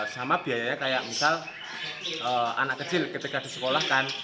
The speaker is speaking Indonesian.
sama biayanya kayak misal anak kecil ketika disekolahkan